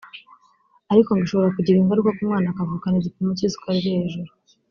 ariko ngo ishobora kugira ingaruka ku mwana akavukana igipimo cy’isukari kiri hejuru